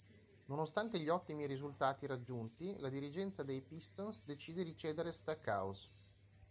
Nonostante gli ottimi risultati raggiunti, la dirigenza dei Pistons decide di cedere Stackhouse.